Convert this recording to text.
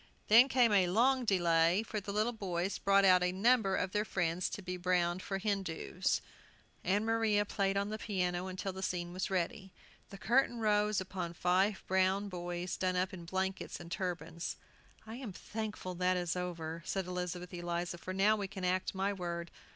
Then came a long delay, for the little boys brought out a number of their friends to be browned for Hindoos. Ann Maria played on the piano till the scene was ready. The curtain rose upon five brown boys done up in blankets and turbans. "I am thankful that is over," said Elizabeth Eliza, "for now we can act my word.